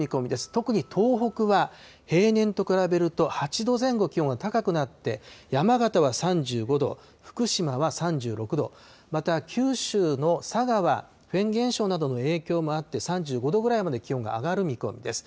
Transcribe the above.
特に東北は平年と比べると８度前後気温が高くなって、山形は３５度、福島は３６度、また九州の佐賀はフェーン現象の影響などもあって、３５度ぐらいまで気温が上がる見込みです。